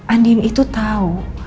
andien itu tahu